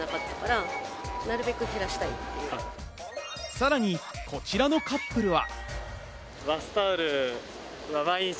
さらに、こちらのカップルは。